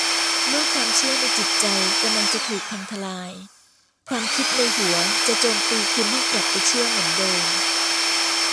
เมื่อความเชื่อในจิตใจกำลังจะถูกพังทะลาย ความคิดในหัวจะโจมตีคุณให้กลับไปเชื่อเหมือนเดิม